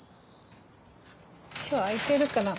今日開いてるかな？